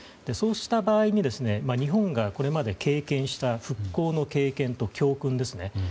そうした場合に日本がこれまで経験した復興の経験と教訓ですね。